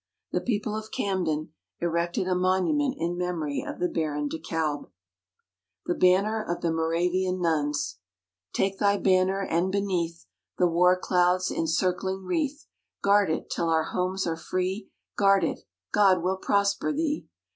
The people of Camden erected a monument in memory of the Baron de Kalb. THE BANNER OF THE MORAVIAN NUNS "_Take thy Banner; and beneath The war cloud's encircling wreath Guard it till our homes are free Guard it God will prosper thee!